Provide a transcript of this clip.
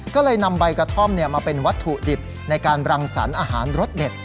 ก็เลยนำใบกระท่อมมาเป็นวัตถุดิบในการรังสรรค์อาหารรสเด็ด